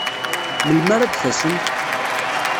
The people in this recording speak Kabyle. Melmi ara d-tasemt?